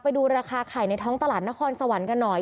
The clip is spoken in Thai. ไปดูราคาไข่ในท้องตลาดนครสวรรค์กันหน่อย